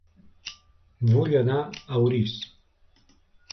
Vull anar a Orís